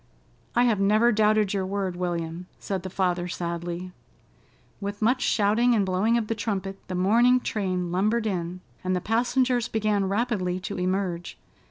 "I have never doubted your word, William," said the father sadly. With much shouting and blowing of the trumpet, the morning train lumbered in, and the passengers began rapidly to emerge.